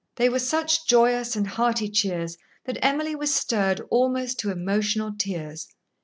They were such joyous and hearty cheers that Emily was stirred almost to emotional tears.